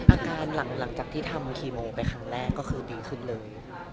อาการหลังจากที่ทำคีโมไปครั้งแรกก็คือดีขึ้นเลย